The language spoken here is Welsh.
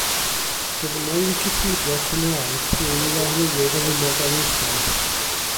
Gofynna i Wicipedia Cymraeg pwy yw Arlywydd Yr Unol Daleithiau?